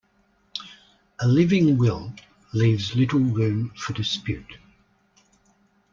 A living will, leaves little room for dispute.